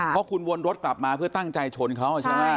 เพราะคุณวนรถกลับมาเพื่อตั้งใจชนเขาใช่ไหม